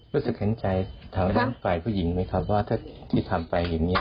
รู้สึกเห็นใจฝ่ายผู้หญิงไหมครับว่าที่ทำไปอย่างนี้